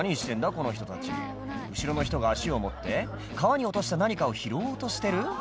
この人たち後ろの人が足を持って川に落とした何かを拾おうとしてる？